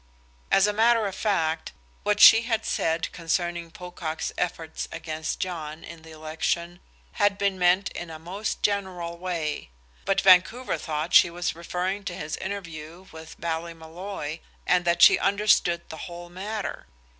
As a matter of fact, what she had said concerning Pocock's efforts against John in the election had been meant in a most general way. But Vancouver thought she was referring to his interview with Ballymolloy, and that she understood the whole matter.